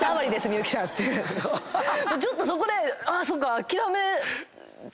ちょっとそこであそっか。